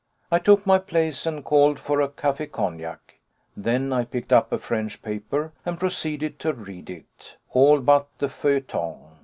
I took my place and called for a café cognac. Then I picked up a French paper and proceeded to read it all but the feuilleton.